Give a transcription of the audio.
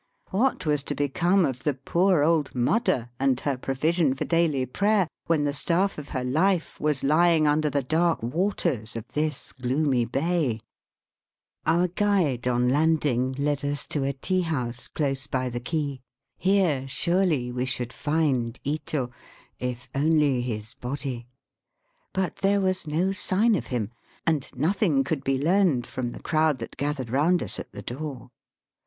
What was to become of the poor old mudder " and her provision for daily prayer when the staff of her life was lying under the dark waters of this gloomy bay ?. Digitized by VjOOQIC 52 EAST BY WEST. Our guide on landing led us to a tea house close by the quay. Here, surely, we should find Ito, if only his body. But there was no sign of him, and nothing could be learned from the crowd that gathered round us at the door.